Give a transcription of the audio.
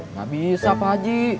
nggak bisa pak haji